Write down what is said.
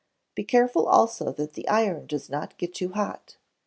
Be careful also that the iron does not get too hot.